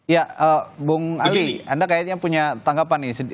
ya bung ali anda kayaknya punya tanggapan nih